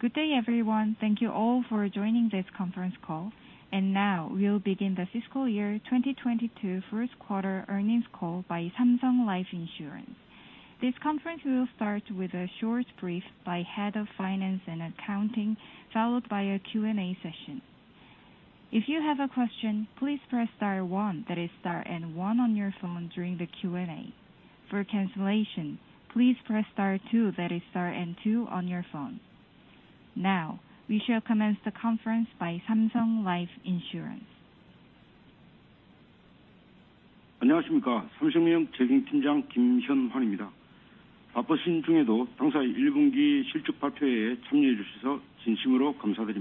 Good day, everyone. Thank you all for joining this conference call. Now we'll begin the fiscal year 2022 first quarter earnings call by Samsung Life Insurance. This conference will start with a short brief by Head of Finance and Accounting, followed by a Q&A session. If you have a question, please press star one, that is star and one on your phone during the Q&A. For cancellation, please press star two, that is star and two on your phone. Now we shall commence the conference by Samsung Life Insurance. Yes, good morning. This is In Hwan Kim. I'm the Head of the Finance Team at Samsung Life. I'd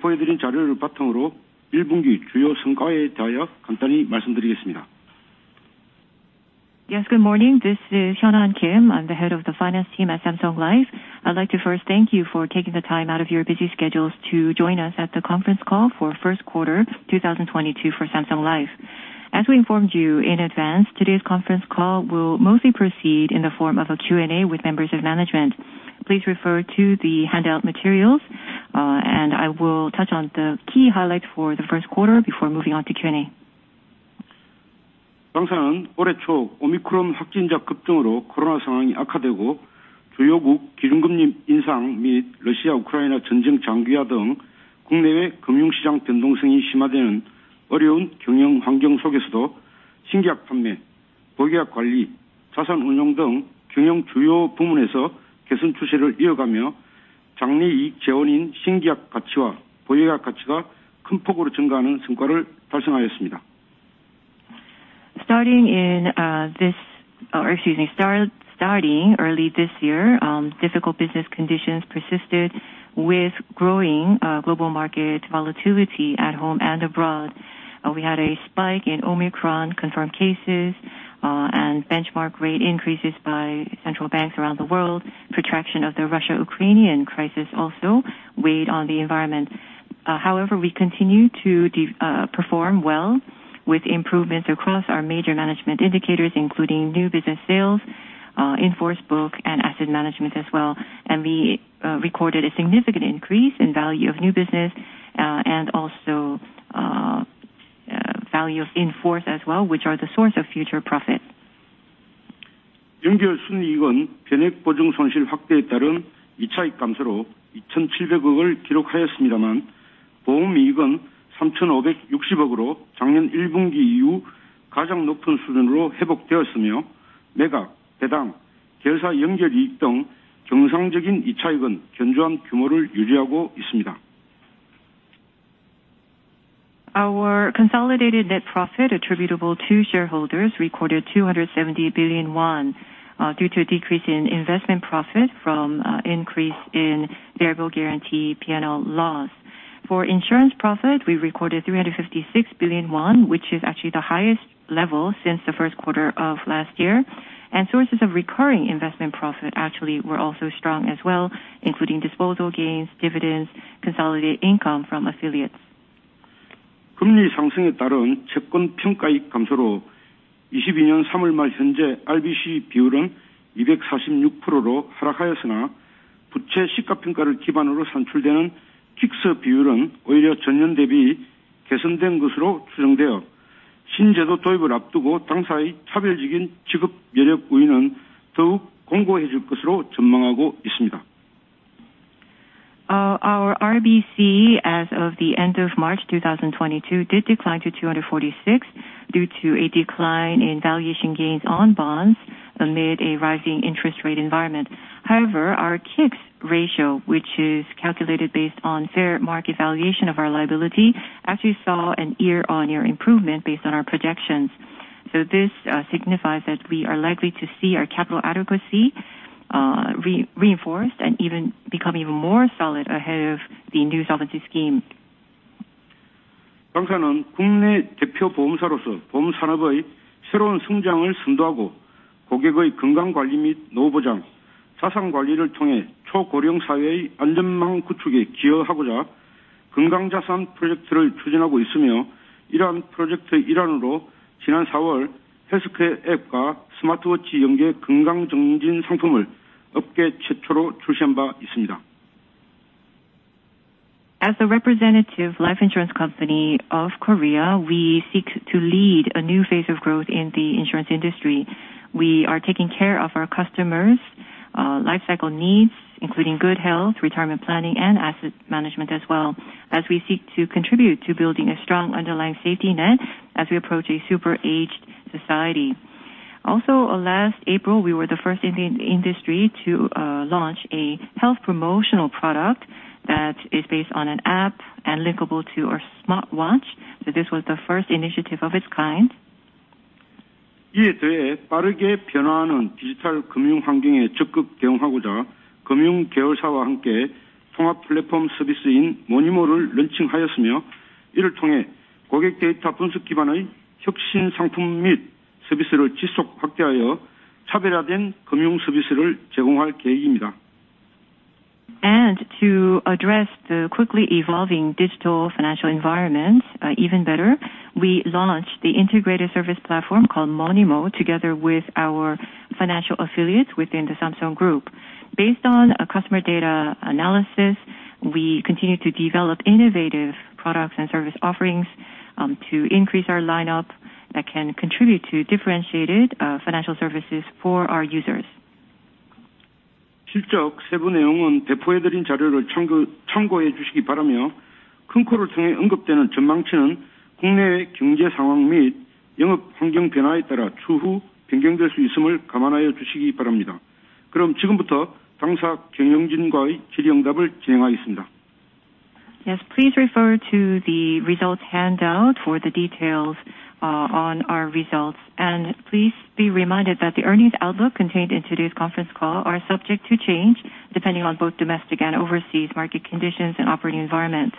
like to first thank you for taking the time out of your busy schedules to join us at the conference call for first quarter 2022 for Samsung Life. As we informed you in advance, today's conference call will mostly proceed in the form of a Q&A with members of management. Please refer to the handout materials, and I will touch on the key highlights for the first quarter before moving on to Q&A. Starting early this year, difficult business conditions persisted with growing global market volatility at home and abroad. We had a spike in Omicron confirmed cases, and benchmark rate increases by central banks around the world. Protraction of the Russia-Ukraine crisis also weighed on the environment. However, we continue to perform well with improvements across our major management indicators, including new business sales, in force book and asset management as well. We recorded a significant increase in value of new business, and also, value of in force as well, which are the source of future profit. Our consolidated net profit attributable to shareholders recorded 270 billion won, due to a decrease in investment profit from increase in variable guarantee P&L loss. For insurance profit, we recorded 356 billion won, which is actually the highest level since the first quarter of last year, and sources of recurring investment profit actually were also strong as well, including disposal gains, dividends, consolidated income from affiliates. Our RBC as of the end of March 2022 did decline to 246 due to a decline in valuation gains on bonds amid a rising interest rate environment. However, our K-ICS ratio, which is calculated based on fair market valuation of our liability, actually saw a year-on-year improvement based on our projections. This signifies that we are likely to see our capital adequacy re-reinforced and even become even more solid ahead of the new solvency scheme. As a representative life insurance company of Korea, we seek to lead a new phase of growth in the insurance industry. We are taking care of our customers life cycle needs, including good health, retirement planning, and asset management as well as we seek to contribute to building a strong underlying safety net as we approach a super aged society. Last April, we were the first in the industry to launch a health promotional product that is based on an app and linkable to our smartwatch. This was the first initiative of its kind. To address the quickly evolving digital financial environment, even better, we launched the integrated service platform called Monimo, together with our financial affiliates within the Samsung Group. Based on a customer data analysis, we continue to develop innovative products and service offerings to increase our lineup that can contribute to differentiated financial services for our users. Yes, please refer to the results handout for the details on our results. Please be reminded that the earnings outlook contained in today's conference call are subject to change depending on both domestic and overseas market conditions and operating environment.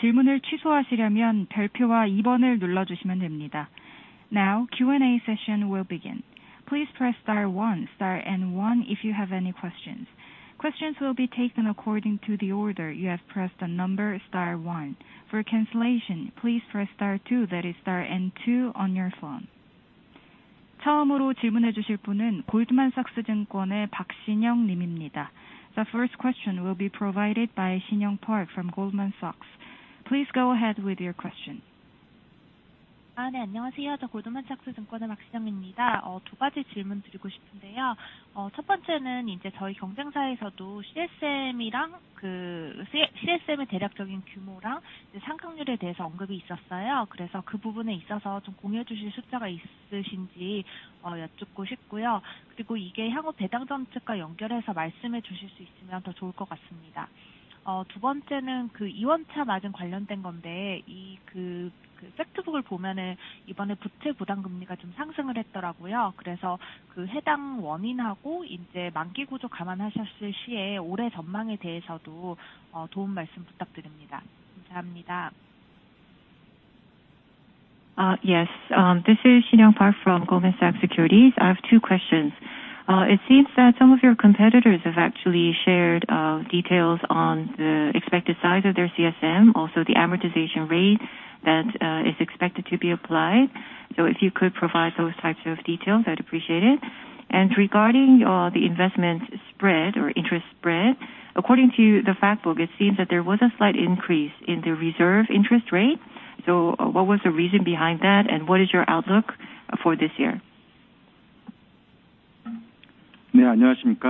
Now then, we will move on to Q&A session with members of management. Q&A session will begin. Please press star one, star and one if you have any questions. Questions will be taken according to the order you have pressed the number star one. For cancellation, please press star two, that is star and two on your phone. The first question will be provided by Sinyoung Park from Goldman Sachs. Please go ahead with your question. Yes. This is Sinyoung Park from Goldman Sachs. I have two questions. It seems that some of your competitors have actually shared details on the expected size of their CSM, also the amortization rate that is expected to be applied. If you could provide those types of details, I'd appreciate it. Regarding the investment spread or interest spread, according to the fact book, it seems that there was a slight increase in the reserve interest rate. What was the reason behind that, and what is your outlook for this year? Yes. This is Head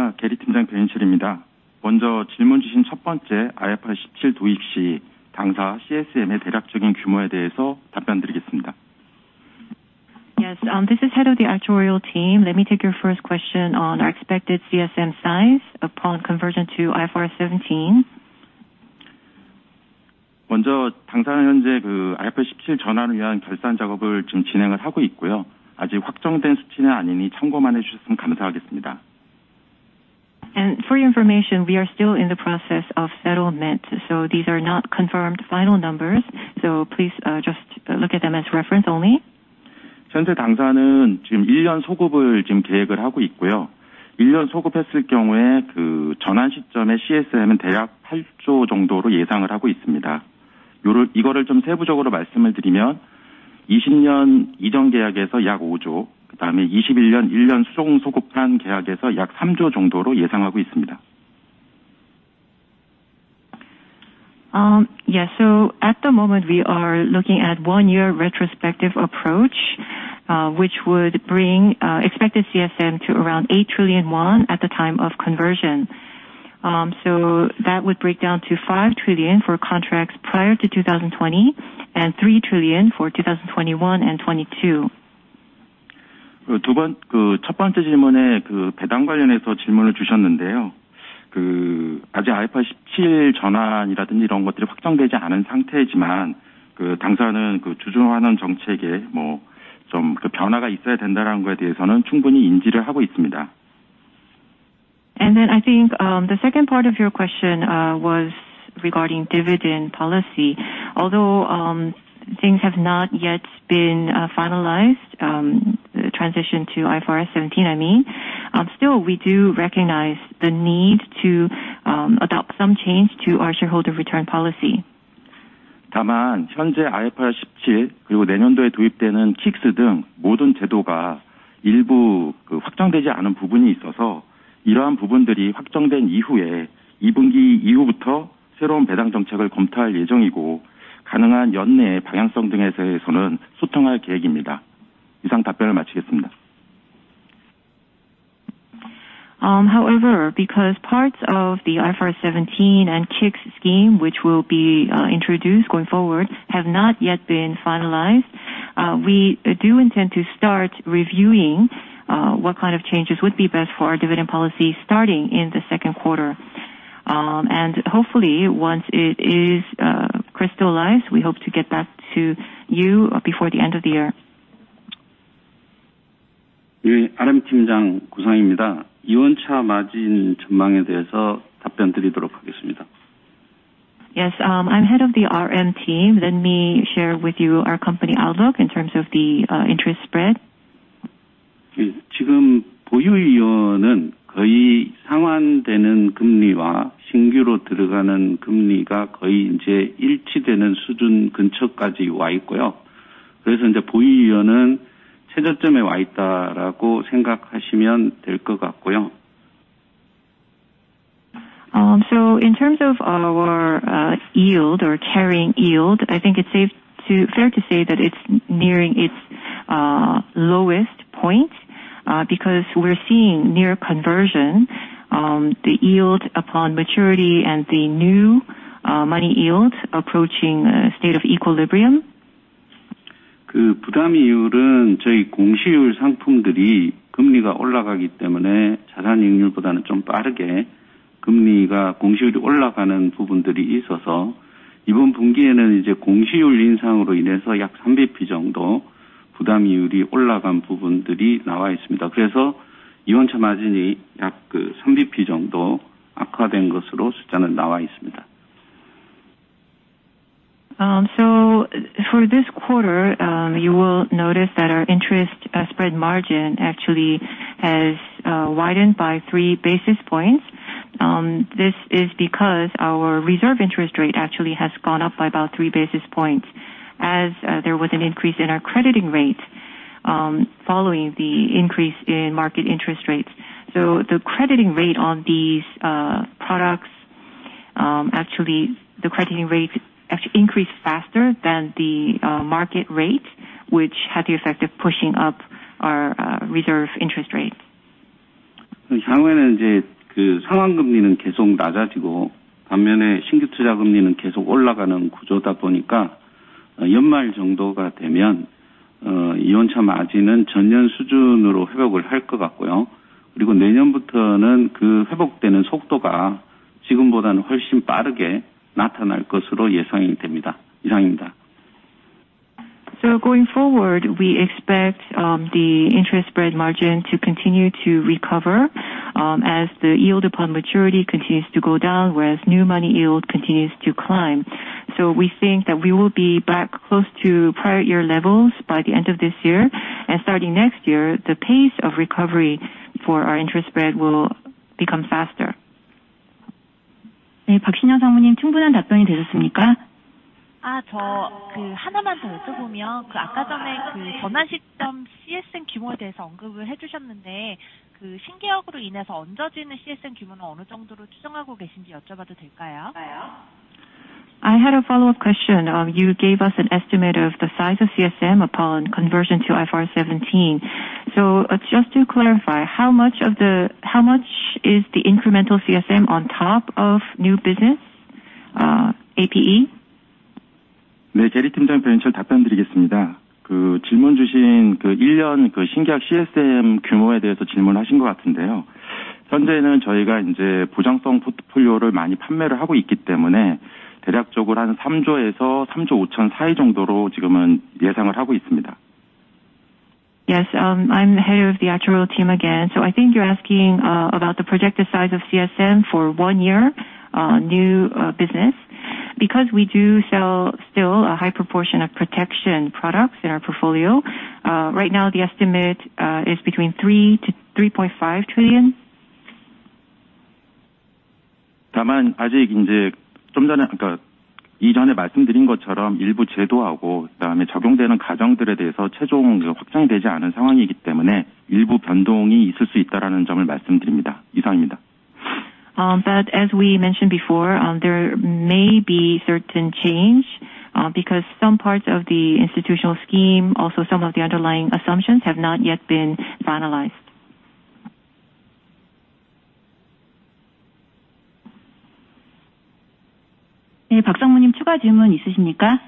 of the Actuarial Team. Let me take your first question on our expected CSM size upon conversion to IFRS 17. For your information, we are still in the process of settlement, so these are not confirmed final numbers. Please just look at them as reference only. At the moment we are looking at one-year retrospective approach, which would bring expected CSM to around 8 trillion won at the time of conversion. That would break down to 5 trillion for contracts prior to 2020, and 3 trillion for 2021 and 2022. Then I think the second part of your question was regarding dividend policy. Although, things have not yet been finalized, the transition to IFRS 17, I mean, still we do recognize the need to adopt some change to our shareholder return policy. However, because parts of the IFRS 17 and K-ICS scheme, which will be introduced going forward, have not yet been finalized, we do intend to start reviewing what kind of changes would be best for our dividend policy starting in the second quarter. Hopefully once it is crystallized, we hope to get back to you before the end of the year. RM 팀장 구상입니다. 이원차 마진 전망에 대해서 답변드리도록 하겠습니다. Yes. I'm head of the RM team. Let me share with you our company outlook in terms of the interest spread. 지금 보유 이율은 거의 상환되는 금리와 신규로 들어가는 금리가 거의 이제 일치되는 수준 근처까지 와 있고요. 그래서 이제 보유 이율은 최저점에 와 있다라고 생각하시면 될것 같고요. In terms of our yield or carrying yield, I think it's fair to say that it's nearing its lowest point, because we're seeing near convergence, the yield upon maturity and the new money yield approaching a state of equilibrium. 그 부담 비율은 저희 공시율 상품들이 금리가 올라가기 때문에 자산이익률보다는 좀 빠르게 금리가 공시율이 올라가는 부분들이 있어서 이번 분기에는 이제 공시율 인상으로 인해서 약 300bp 정도 부담률이 올라간 부분들이 나와 있습니다. 그래서 이번 차 마진이 약 30bp 정도 악화된 것으로 숫자는 나와 있습니다. For this quarter, you will notice that our interest spread margin actually has widened by three basis points. This is because our reserve interest rate actually has gone up by about three basis points as there was an increase in our crediting rate, following the increase in market interest rates. The crediting rate on these products actually increased faster than the market rate, which had the effect of pushing up our reserve interest rate. 향후에는 상황 금리는 계속 낮아지고 반면에 신규 투자 금리는 계속 올라가는 구조다 보니까 연말 정도가 되면 이원차 마진은 전년 수준으로 회복을 할것 같고요. 내년부터는 그 회복되는 속도가 지금보다는 훨씬 빠르게 나타날 것으로 예상이 됩니다. 이상입니다. Going forward, we expect the interest spread margin to continue to recover as the yield upon maturity continues to go down, whereas new money yield continues to climb. We think that we will be back close to prior year levels by the end of this year. Starting next year, the pace of recovery for our interest spread will become faster. 네, Sinyoung Park 사모님 충분한 답변이 되셨습니까? 저 하나만 더 여쭤보면, 아까 전에 전환 시점 CSM 규모에 대해서 언급을 해주셨는데, 신계약으로 인해서 얹어지는 CSM 규모는 어느 정도로 추정하고 계신지 여쭤봐도 될까요? I had a follow-up question. You gave us an estimate of the size of CSM upon conversion to IFRS 17. Just to clarify, how much is the incremental CSM on top of new business APE? 계리 팀장 변인철이 답변드리겠습니다. 질문 주신 일년 신계약 CSM 규모에 대해서 질문하신 것 같은데요. 현재는 저희가 보장성 포트폴리오를 많이 판매를 하고 있기 때문에 대략적으로 한 3조에서 3조 5천 사이 정도로 예상을 하고 있습니다. Yes. I'm the head of the actuarial team again. I think you're asking about the projected size of CSM for one year new business. Because we do sell still a high proportion of protection products in our portfolio. Right now the estimate is between 3 trillion-3.5 trillion. 다만 아직 이전에 말씀드린 것처럼 일부 제도하고 그다음에 적용되는 가정들에 대해서 최종 확정되지 않은 상황이기 때문에 일부 변동이 있을 수 있다라는 점을 말씀드립니다. 이상입니다. As we mentioned before, there may be certain change because some parts of the institutional scheme, also some of the underlying assumptions, have not yet been finalized. 네, 박 사모님 추가 질문 있으십니까?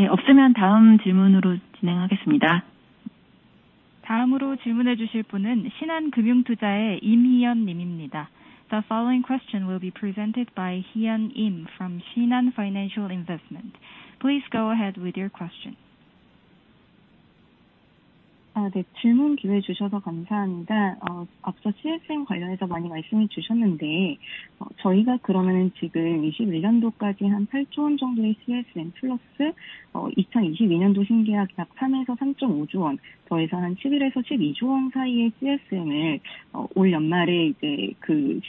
네, 없으면 다음 질문으로 진행하겠습니다. 다음으로 질문해 주실 분은 신한금융투자의 임희연 님입니다. The following question will be presented by Hee Yeon Lim from Shinhan Financial Investment. Please go ahead with your question. 질문 기회 주셔서 감사합니다. 앞서 CSM 관련해서 많이 말씀해 주셨는데, 저희가 그러면 지금 2021년도까지 한 8조 원 정도의 CSM 플러스 2022년도 신계약 약 3에서 3.5조 원 더해서 한 11에서 12조 원 사이의 CSM을 올 연말에 이제 그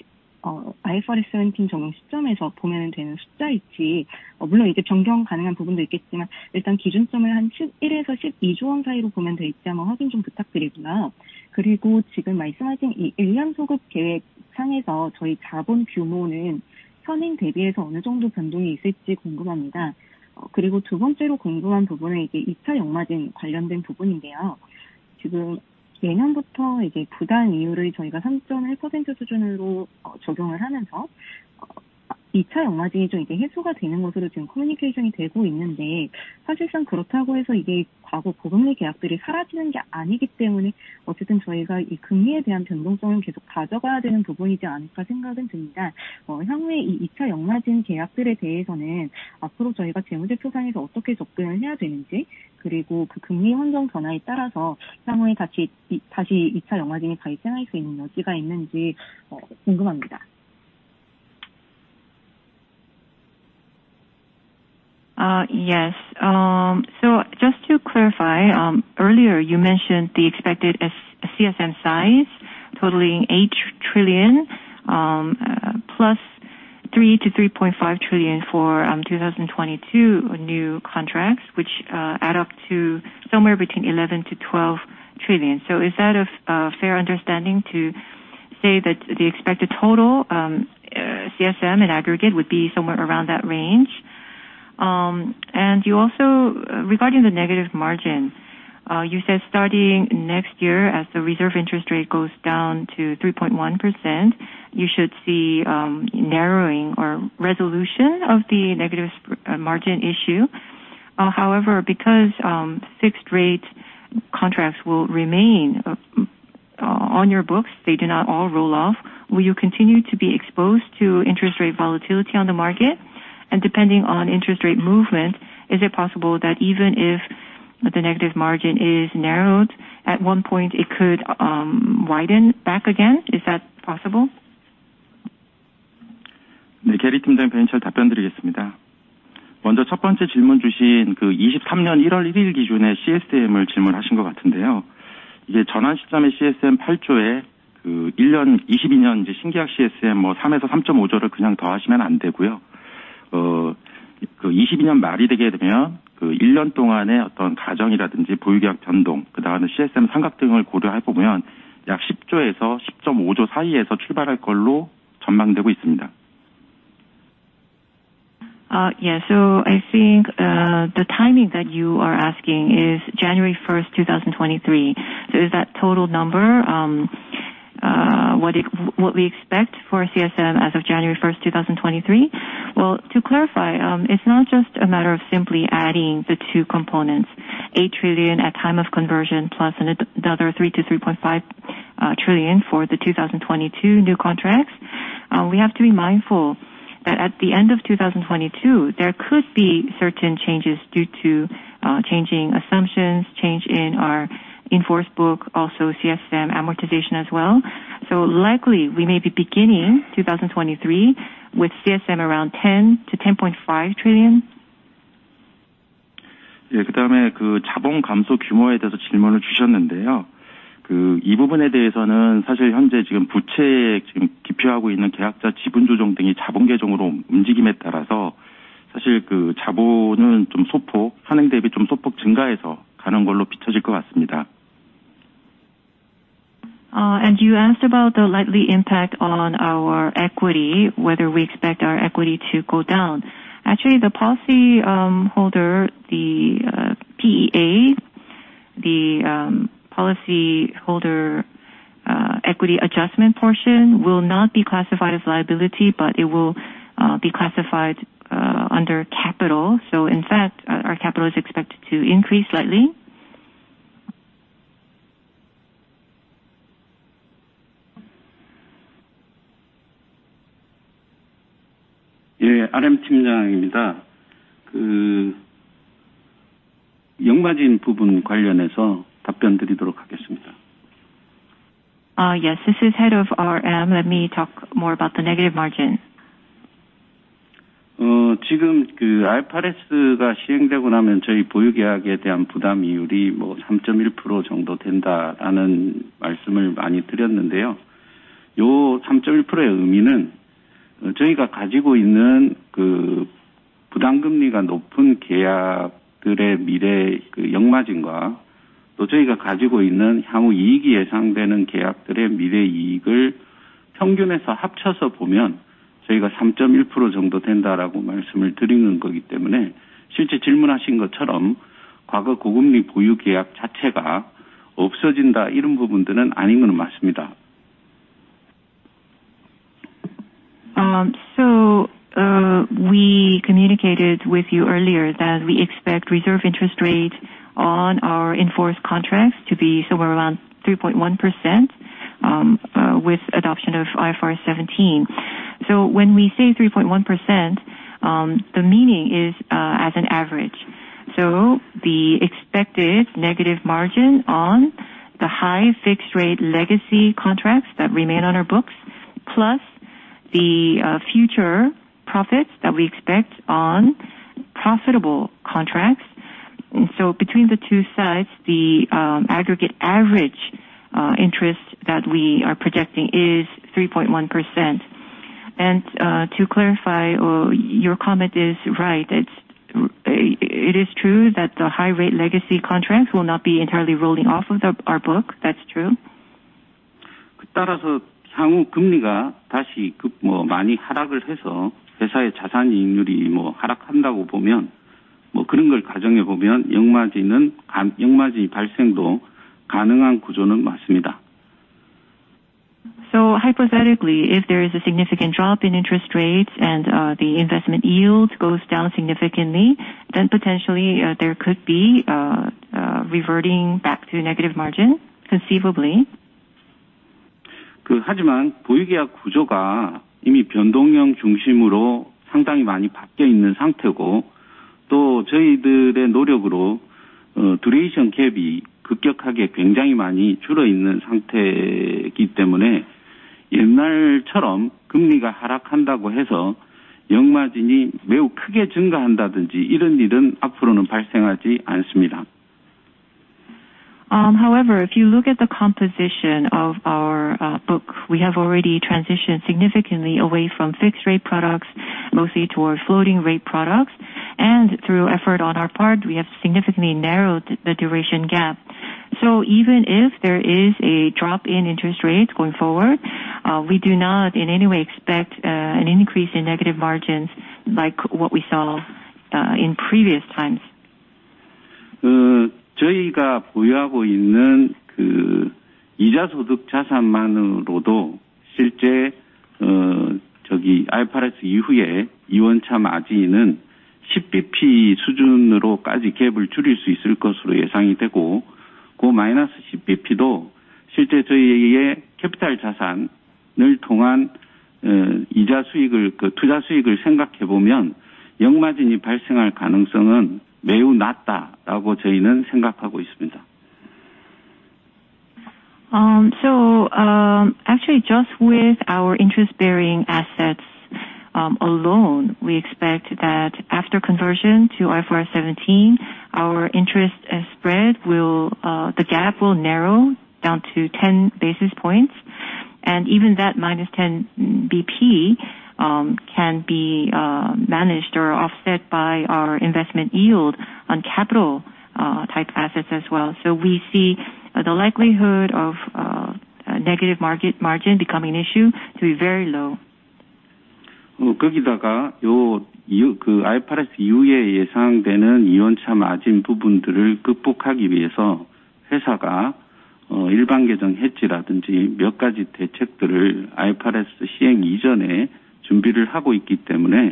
IFRS 17 적용 시점에서 보면 되는 숫자인지. 물론 이제 변경 가능한 부분도 있겠지만 일단 기준선을 한 11에서 12조 원 사이로 보면 될지 한번 확인 좀 부탁드리고요. 그리고 지금 말씀하신 이 일년 소급 계획 상에서 저희 자본 규모는 선인 대비해서 어느 정도 변동이 있을지 궁금합니다. 그리고 두 번째로 궁금한 부분은 이제 이차 역마진 관련된 부분인데요. 지금 내년부터 이제 부담 이유를 저희가 3.1% 수준으로 적용을 하면서 2차 역마진이 좀 이제 해소가 되는 것으로 지금 커뮤니케이션이 되고 있는데 사실상 그렇다고 해서 이게 과거 고금리 계약들이 사라지는 게 아니기 때문에 어쨌든 저희가 이 금리에 대한 변동성은 계속 가져가야 되는 부분이지 않을까 생각은 듭니다. 향후에 이 2차 영마진 계약들에 대해서는 앞으로 저희가 재무제표상에서 어떻게 접근을 해야 되는지, 그리고 그 금리 환경 변화에 따라서 향후에 다시 2차 영마진이 발생할 수 있는 여지가 있는지 궁금합니다. Yes. Just to clarify, earlier you mentioned the expected CSM size totaling 8 trillion, +3-3.5 trillion for 2022 new contracts, which add up to somewhere between 11 trillion-12 trillion. Is that a fair understanding to say that the expected total CSM in aggregate would be somewhere around that range? And you also regarding the negative margin, you said starting next year as the reserve interest rate goes down to 3.1%, you should see narrowing or resolution of the negative spread margin issue. However, because fixed rate contracts will remain on your books, they do not all roll off. Will you continue to be exposed to interest rate volatility on the market? Depending on interest rate movement, is it possible that even if the negative margin is narrowed at one point it could widen back again? Is that possible? 네, 계리 팀장님이 대신 답변드리겠습니다. 먼저 첫 번째 질문 주신 그 2023년 1월 1일 기준의 CSM을 질문하신 것 같은데요. 이게 전환 시점에 CSM 8조에 그 1년 22년 신계약 CSM 뭐 3에서 3.5조를 그냥 더하시면 안 되고요. 22년 말이 되게 되면 그 1년 동안의 어떤 가정이라든지 보유계약 변동, 그다음 CSM 상각 등을 고려해 보면 약 10조에서 10.5조 사이에서 출발할 걸로 전망되고 있습니다. Yeah. I think the timing that you are asking is January 1st, 2023. Is that total number what we expect for CSM as of January 1st, 2023? Well, to clarify, it's not just a matter of simply adding the two components, 8 trillion at time of conversion, plus another 3 trillion-3.5 trillion for the 2022 new contracts. We have to be mindful that at the end of 2022, there could be certain changes due to changing assumptions, change in our in force book, also CSM amortization as well. Likely we may be beginning 2023 with CSM around 10 trillion-10.5 trillion. 자본 감소 규모에 대해서 질문을 주셨는데요. 이 부분에 대해서는 사실 현재 지금 부채 기표하고 있는 계약자 지분 조정 등이 자본계정으로 움직임에 따라서 사실 그 자본은 좀 소폭, 전년 대비 좀 소폭 증가해서 가는 걸로 비춰질 것 같습니다. You asked about the likely impact on our equity, whether we expect our equity to go down. Actually, the policyholder equity adjustment portion will not be classified as liability, but it will be classified under capital. In fact, our capital is expected to increase slightly. 예, RM 팀장입니다. 그 영마진 부분 관련해서 답변드리도록 하겠습니다. Yes, this is Head of RM. Let me talk more about the negative margin. IFRS가 시행되고 나면 저희 보유계약에 대한 부담 비율이 3.1% 정도 된다라는 말씀을 많이 드렸는데요. 이 3.1%의 의미는 저희가 가지고 있는 부담 금리가 높은 계약들의 미래 영마진과 또 저희가 가지고 있는 향후 이익이 예상되는 계약들의 미래 이익을 평균해서 합쳐서 보면 저희가 3.1% 정도 된다라고 말씀을 드리는 거기 때문에, 실제 질문하신 것처럼 과거 고금리 보유 계약 자체가 없어진다, 이런 부분들은 아닌 건 맞습니다. We communicated with you earlier that we expect reserve interest rate on our in-force contracts to be somewhere around 3.1%, with adoption of IFRS 17. When we say 3.1%, the meaning is as an average. The expected negative margin on the high fixed rate legacy contracts that remain on our books, plus the future profits that we expect on profitable contracts. Between the two sides, the aggregate average interest that we are projecting is 3.1%. To clarify, your comment is right. It is true that the high rate legacy contracts will not be entirely rolling off of our book. That's true. 따라서 향후 금리가 다시 많이 하락을 해서 회사의 자산 이익률이 하락한다고 보면, 그런 걸 가정해 보면 영마진 감소, 영마진 발생도 가능한 구조는 맞습니다. Hypothetically, if there is a significant drop in interest rates and the investment yield goes down significantly, then potentially there could be reverting back to negative margin conceivably? However, if you look at the composition of our book, we have already transitioned significantly away from fixed rate products, mostly towards floating rate products. Through effort on our part, we have significantly narrowed the duration gap. Even if there is a drop in interest rates going forward, we do not in any way expect an increase in negative margins like what we saw in previous times. Actually, just with our interest-bearing assets alone, we expect that after conversion to IFRS 17, our interest spread will, the gap will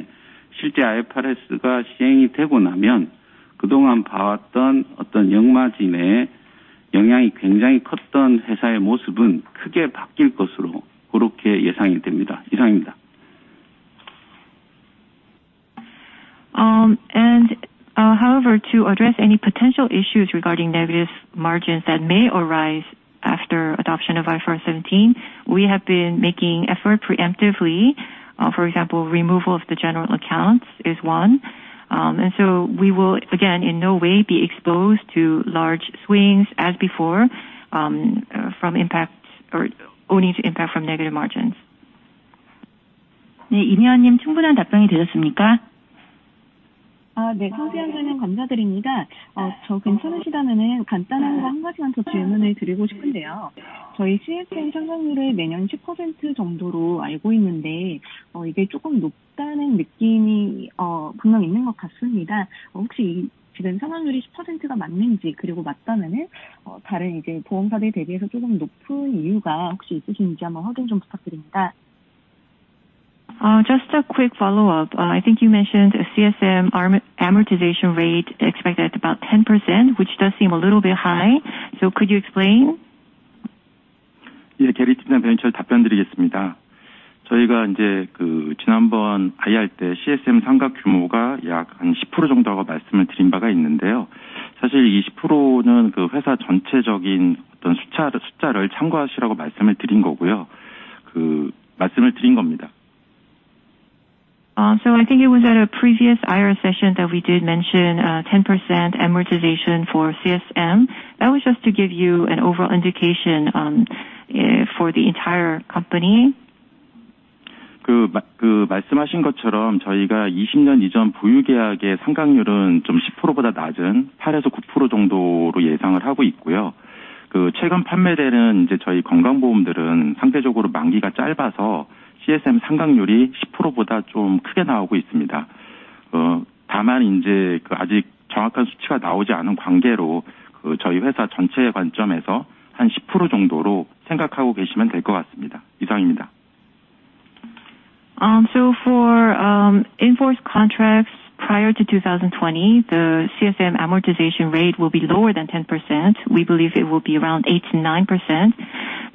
narrow down to 10 basis points. Even that minus 10 BP can be managed or offset by our investment yield on capital type assets as well. We see the likelihood of negative market margin becoming an issue to be very low. However, to address any potential issues regarding negative margins that may arise after adoption of IFRS 17, we have been making effort preemptively. For example, removal of the general accounts is one. We will again, in no way be exposed to large swings as before, from impact or owing to impact from negative margins. Just a quick follow-up. I think you mentioned CSM amortization rate expected at about 10%, which does seem a little bit high. Could you explain? I think it was at a previous IR session that we did mention 10% amortization for CSM. That was just to give you an overall indication for the entire company. For in-force contracts prior to 2020, the CSM amortization rate will be lower than 10%. We believe it will be around 8%-9%.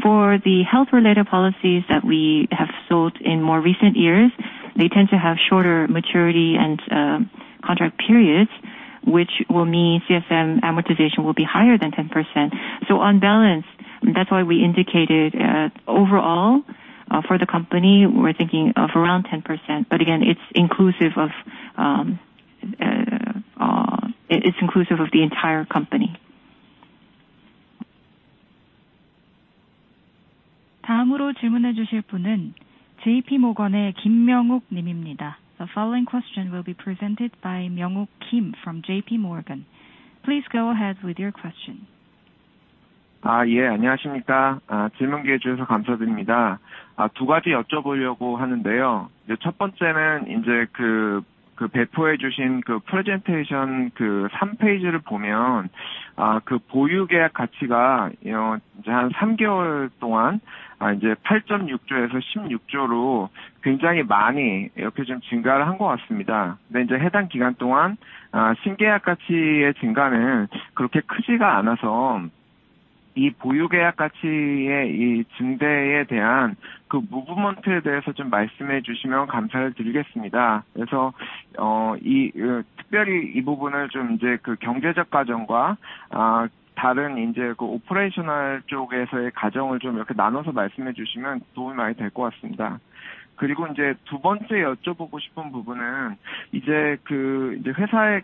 For the health related policies that we have sold in more recent years, they tend to have shorter maturity and contract periods, which will mean CSM amortization will be higher than 10%. On balance, that's why we indicated overall for the company, we're thinking of around 10%, but again, it's inclusive of the entire company. JP Morgan, Myung-Ook Kim. The following question will be presented by Myung-Ook Kim from JP Morgan. Please go ahead with your question. 두 가지 여쭤보려고 하는데요. 첫 번째는 배포해 주신 프레젠테이션 삼 페이지를 보면 보유계약 가치가 한 삼개월 동안 8.6조에서 16조로 굉장히 많이 증가를 한것 같습니다. 근데 해당 기간 동안 신계약 가치의 증가는 그렇게 크지가 않아서 이 보유계약 가치의 증대에 대한 무브먼트에 대해서 말씀해 주시면 감사드리겠습니다. 특별히 이 부분을 경제적 과정과 오퍼레이셔널 쪽에서의 과정을 나눠서 말씀해 주시면 도움이 많이 될것 같습니다. 두 번째 여쭤보고 싶은 부분은 회사의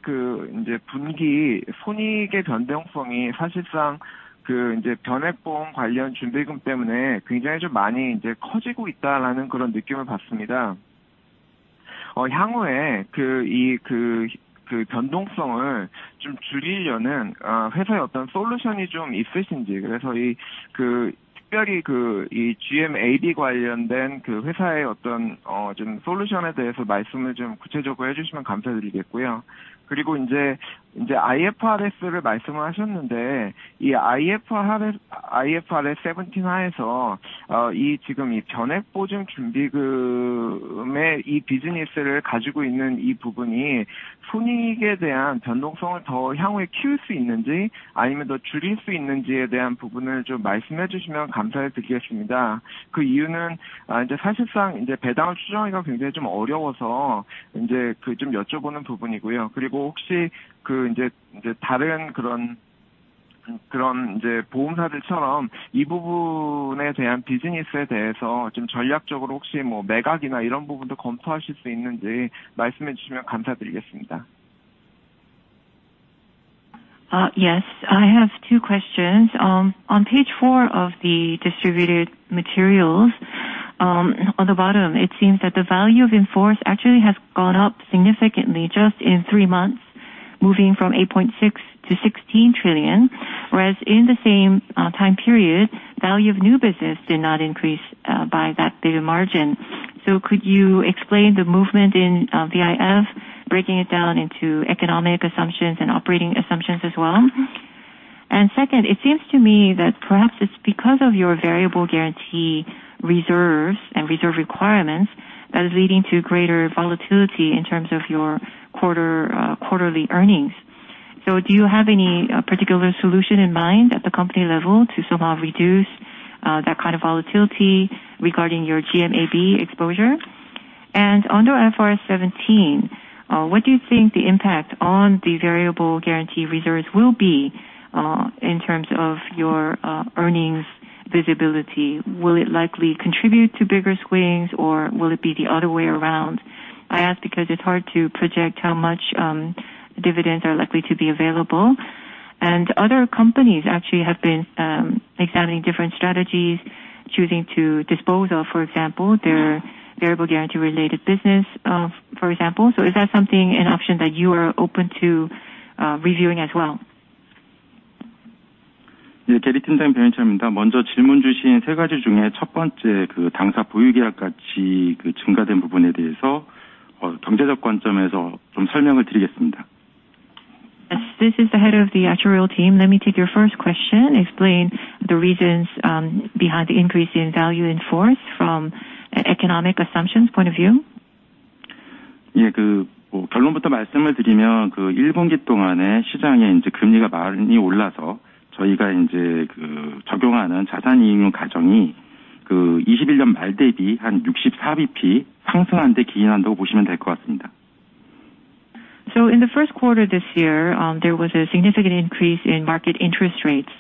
분기 순이익의 변동성이 사실상 변액보험 관련 준비금 때문에 굉장히 많이 커지고 있다라는 느낌을 받습니다. 향후에 그 변동성을 줄이려는 회사의 어떤 솔루션이 있으신지요. GMAB 관련된 회사의 솔루션에 대해서 좀 구체적으로 말씀해 주시면 감사드리겠고요. IFRS 17 하에서 이 변액보증준비금 비즈니스를 가지고 있는 부분이 순이익에 대한 변동성을 향후에 더 키울 수 있는지, 아니면 더 줄일 수 있는지에 대한 부분을 좀 말씀해 주시면 감사드리겠습니다. 사실상 배당을 수정하기가 굉장히 어려워서 여쭤보는 부분이고요. 혹시 다른 보험사들처럼 이 부분에 대한 비즈니스에 대해서 전략적으로 매각이나 이런 부분도 검토하실 수 있는지 말씀해 주시면 감사드리겠습니다. Yes, I have two questions. On page four of the distributed materials, on the bottom it seems that the value in force actually has gone up significantly just in three months, moving from 8.6 trillion to 16 trillion, whereas in the same time period, value of new business did not increase by that big a margin. Could you explain the movement in VIF, breaking it down into economic assumptions and operating assumptions as well? Second, it seems to me that perhaps it's because of your variable guarantee reserves and reserve requirements that is leading to greater volatility in terms of your quarterly earnings. Do you have any particular solution in mind at the company level to somehow reduce that kind of volatility regarding your GMAB exposure? Under IFRS 17, what do you think the impact on the variable guarantee reserves will be, in terms of your earnings visibility? Will it likely contribute to bigger swings or will it be the other way around? I ask because it's hard to project how much dividends are likely to be available. Other companies actually have been examining different strategies, choosing to dispose of, for example, their variable guarantee related business, for example. Is that something an option that you are open to reviewing as well? 대리팀장 변인철입니다. 먼저 질문 주신 세 가지 중에 첫 번째, 당사 보유계약 가치 증가된 부분에 대해서 경제적 관점에서 좀 설명을 드리겠습니다. Yes. This is the head of the actuarial team. Let me take your first question, explain the reasons behind the increase in value in force from an economic assumptions point of view. 결론부터 말씀을 드리면, 1분기 동안에 시장에 금리가 많이 올라서 저희가 적용하는 자산이익률 과정이 2021년 말 대비 한 64BP 상승한 데 기인한다고 보시면 될것 같습니다. In the first quarter this year, there was a significant increase in market interest rates.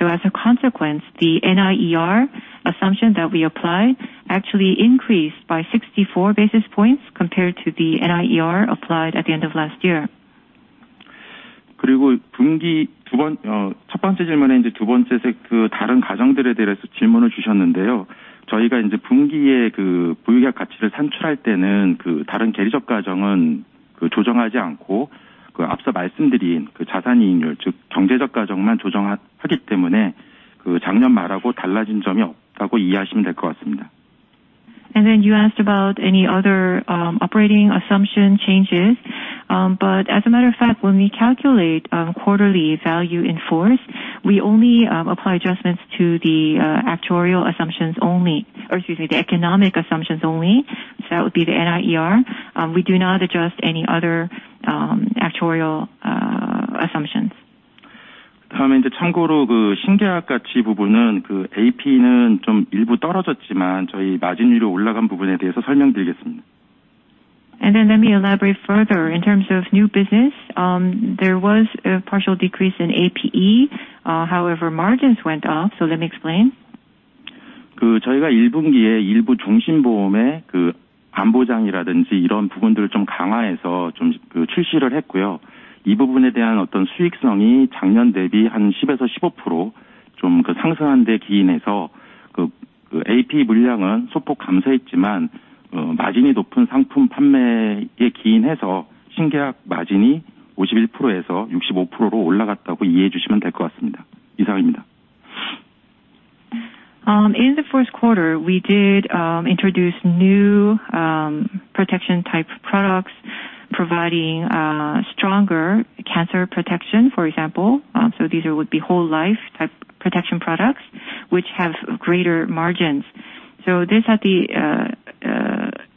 As a consequence, the NIER assumption that we applied actually increased by 64 basis points compared to the NIER applied at the end of last year. 분기 두 번째 질문에 그 다른 과정들에 대해서 질문을 주셨는데요. 저희가 분기에 그 보유계약 가치를 산출할 때는 그 다른 계리적 과정은 조정하지 않고 앞서 말씀드린 그 자산이익률, 즉 경제적 과정만 조정하기 때문에 그 작년 말하고 달라진 점이 없다고 이해하시면 될것 같습니다. You asked about any other operating assumption changes. As a matter of fact, when we calculate quarterly value in force, we only apply adjustments to the actuarial assumptions only. Or excuse me, the economic assumptions only. That would be the NIER. We do not adjust any other actuarial assumptions. 다음에 참고로 신계약 가치 부분은 APE는 좀 일부 떨어졌지만 저희 마진율이 올라간 부분에 대해서 설명드리겠습니다. Let me elaborate further. In terms of new business, there was a partial decrease in APE, however, margins went up. Let me explain. 저희가 1분기에 일부 종신보험의 담보장이라든지 이런 부분들을 좀 강화해서 출시를 했고요. 이 부분에 대한 수익성이 작년 대비 한 10~15% 상승한 데 기인해서, APE 물량은 소폭 감소했지만, 마진이 높은 상품 판매에 기인해서 신계약 마진이 51%에서 65%로 올라갔다고 이해해 주시면 될것 같습니다. In the first quarter, we did introduce new protection type products providing stronger cancer protection, for example. These would be whole life type protection products which have greater margins. This had the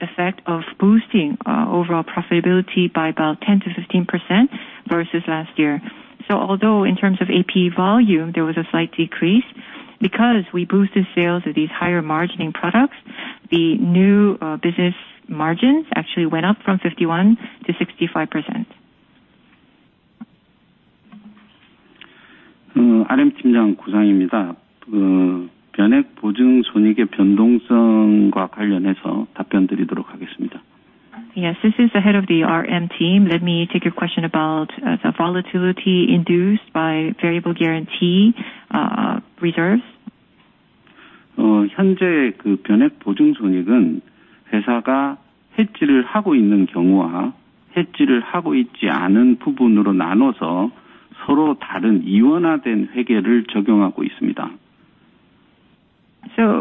effect of boosting overall profitability by about 10%-15% versus last year. Although in terms of AP volume, there was a slight decrease because we boosted sales of these higher-margin products, the new business margins actually went up from 51%-65%. Yes. This is the head of the RM team. Let me take your question about the volatility induced by variable guarantee reserves.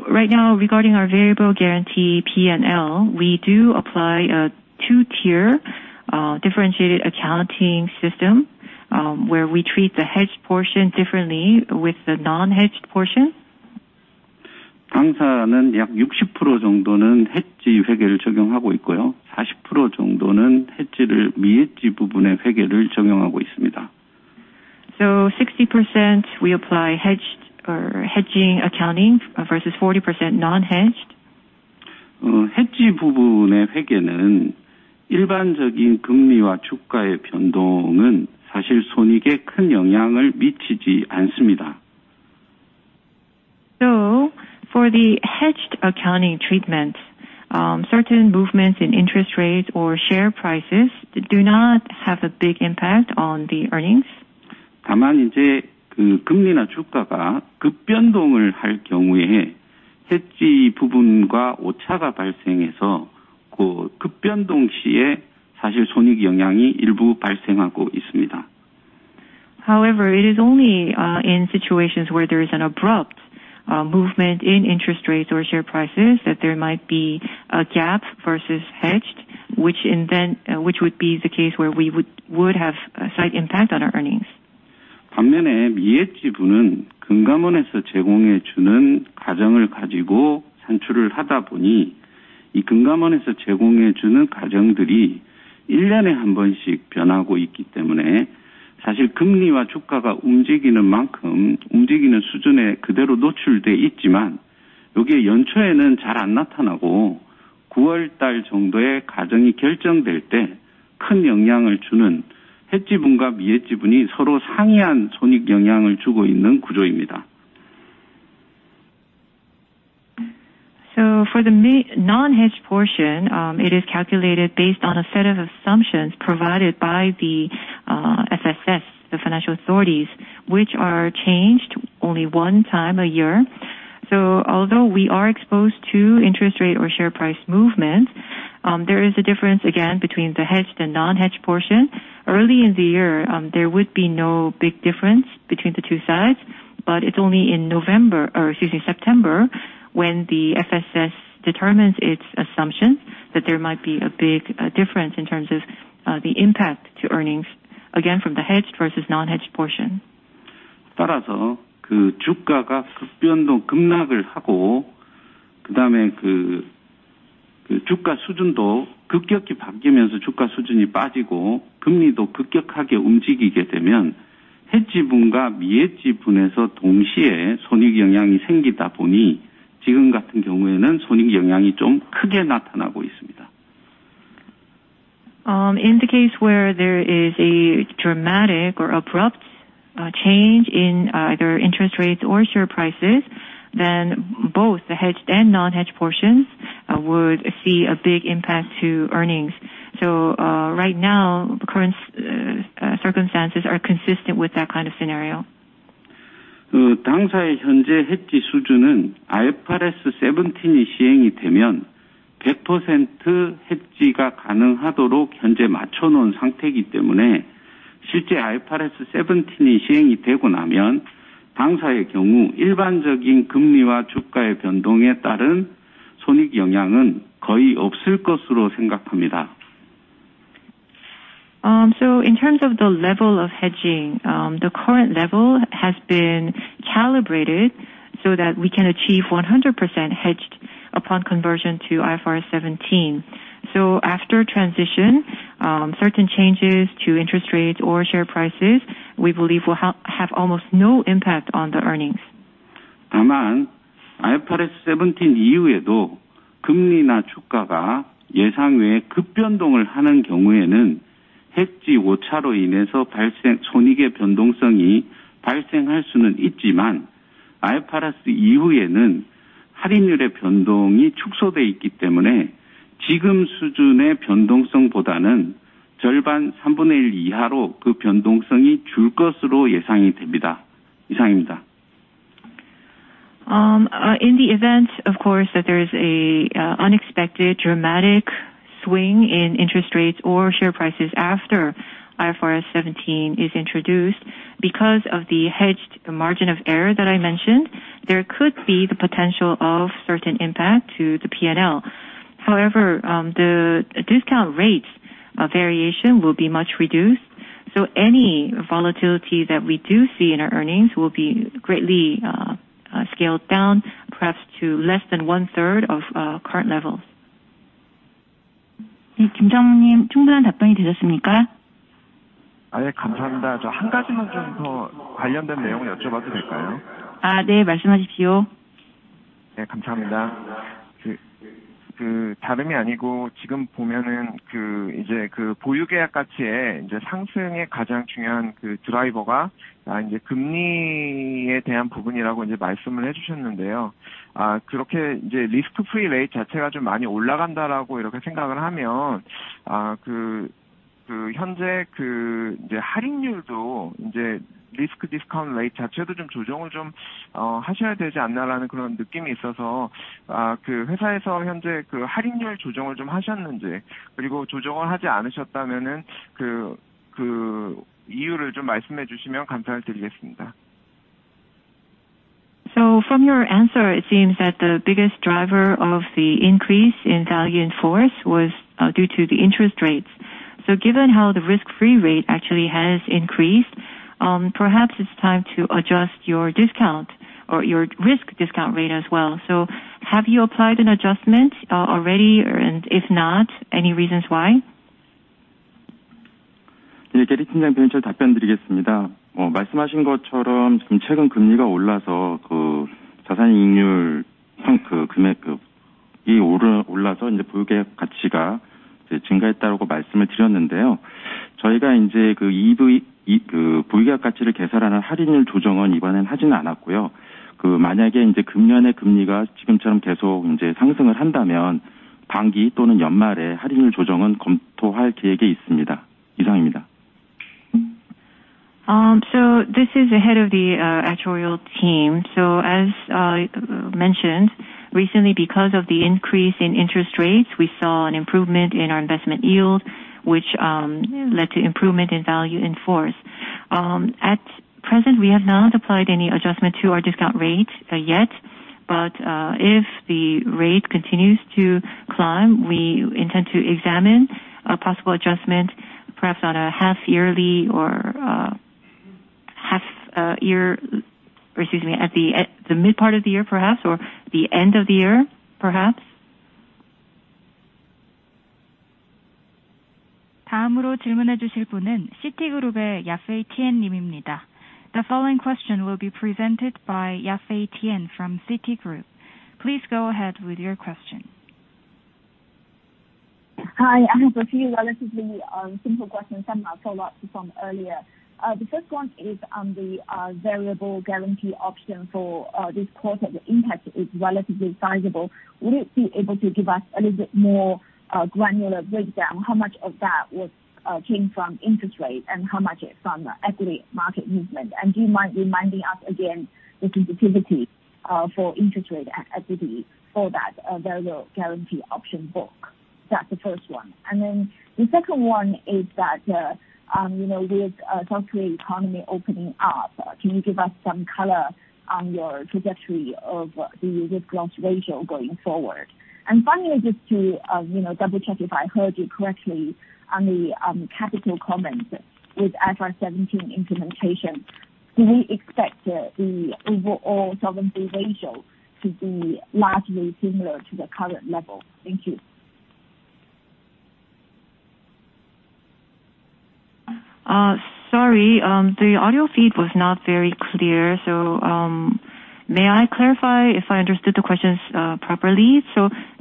Right now, regarding our variable guarantee P&L, we do apply a two-tier differentiated accounting system, where we treat the hedged portion differently with the non-hedged portion. 60% we apply hedged or hedging accounting versus 40% non-hedged. For the hedged accounting treatment, certain movements in interest rates or share prices do not have a big impact on the earnings. However, it is only in situations where there is an abrupt movement in interest rates or share prices that there might be a gap versus hedged, which would be the case where we would have a slight impact on our earnings. For the non-hedged portion, it is calculated based on a set of assumptions provided by the FSS, the financial authorities, which are changed only one time a year. Although we are exposed to interest rate or share price movements, there is a difference again between the hedged and non-hedged portion. Early in the year, there would be no big difference between the two sides, but it's only in November or, excuse me, September, when the FSS determines its assumptions that there might be a big difference in terms of the impact to earnings, again from the hedged versus non-hedged portion. In the case where there is a dramatic or abrupt change in their interest rates or share prices, then both the hedged and non-hedged portions would see a big impact to earnings. Right now the current circumstances are consistent with that kind of scenario. In terms of the level of hedging, the current level has been calibrated so that we can achieve 100% hedged upon conversion to IFRS 17. After transition, certain changes to interest rates or share prices, we believe will have almost no impact on the earnings. In the event, of course, that there is an unexpected dramatic swing in interest rates or share prices after IFRS 17 is introduced because of the hedged margin of error that I mentioned, there could be the potential of certain impact to the P&L. However, the discount rates variation will be much reduced. Any volatility that we do see in our earnings will be greatly scaled down, perhaps to less than one-third of current levels. From your answer, it seems that the biggest driver of the increase in value in force was due to the interest rates. Given how the risk-free rate actually has increased, perhaps it's time to adjust your discount or your risk discount rate as well. Have you applied an adjustment already? Or if not, any reasons why? This is the Head of the Actuarial Team. As mentioned recently, because of the increase in interest rates, we saw an improvement in our investment yield, which led to improvement in value in force. At present, we have not applied any adjustment to our discount rate yet, but if the rate continues to climb, we intend to examine a possible adjustment, perhaps on a half-yearly or half-year basis, or excuse me, at the mid part of the year perhaps, or the end of the year perhaps. The following question will be presented by Yafei Tian from Citigroup. Please go ahead with your question. Hi, I have a few relatively simple questions and a follow-up from earlier. The first one is on the variable guarantee option for this quarter. The impact is relatively sizable. Will you be able to give us a little bit more granular breakdown? How much of that came from interest rate and how much is from equity market movement? And do you mind reminding us again the sensitivity for interest rate and equity for that variable guarantee option book? That's the first one. Then the second one is that you know, with South Korea economy opening up, can you give us some color on your trajectory of the risk loss ratio going forward? Finally, just to you know, double check if I heard you correctly on the capital comments with IFRS 17 implementation, do we expect the overall solvency ratio to be largely similar to the current level? Thank you. Sorry, the audio feed was not very clear. May I clarify if I understood the questions properly?